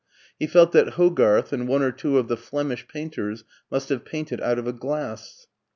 He felt that Hogarth and one or two of the Flemish painters must have painted out of a glass.